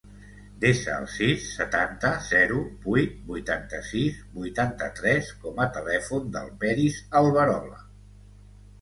Desa el sis, setanta, zero, vuit, vuitanta-sis, vuitanta-tres com a telèfon del Peris Alberola.